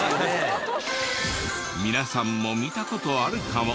皆さんも見た事あるかも。